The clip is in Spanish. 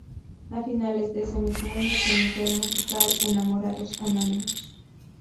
A finales de ese mismo año comenzó el musical "Enamorados anónimos".